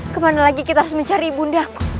kemana lagi kita harus mencari bunda